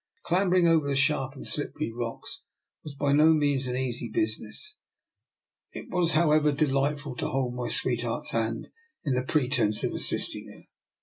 Clamber ing over the sharp and slippery rocks was by no means an easy business. It was, however, delightful to hold my sweetheart's hand in the pretence of assisting her.